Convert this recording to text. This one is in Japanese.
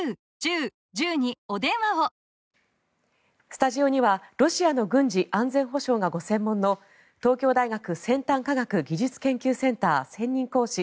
スタジオには、ロシアの軍事・安全保障がご専門の東京大学先端科学技術研究センター専任講師